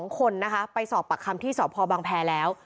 ๒คนนะคะไปสอบปากคำที่สพบังแพรแล้ว